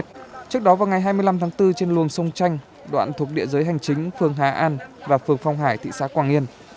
trước đó vào ngày hai mươi năm tháng bốn trên luồng sông chanh đoạn thuộc địa giới hành chính phường hà an và phường phong hải thị xã quảng yên